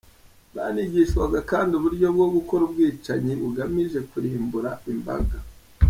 Banigishwaga kandi uburyo bwo gukora ubwicanyi bugamije kurimbura imbaga”.